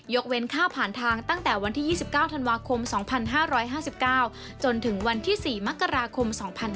เว้นค่าผ่านทางตั้งแต่วันที่๒๙ธันวาคม๒๕๕๙จนถึงวันที่๔มกราคม๒๕๕๙